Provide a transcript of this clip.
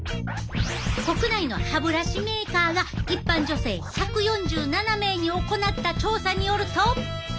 国内の歯ブラシメーカーが一般女性１４７名に行った調査によると！